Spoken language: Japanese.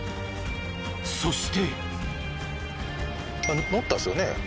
そして。